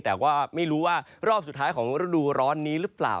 แต่ว่าไม่รู้ว่ารอบสุดท้ายของฤดูร้อนนี้หรือเปล่า